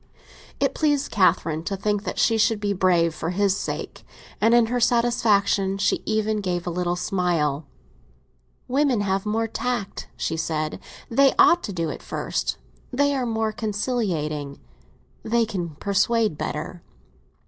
It pleased Catherine to think that she should be brave for his sake, and in her satisfaction she even gave a little smile. "Women have more tact," she said "they ought to do it first. They are more conciliating; they can persuade better."